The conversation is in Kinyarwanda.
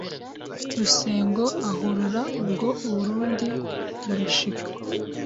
Rusengo ahurura ubwo u Burundi burashika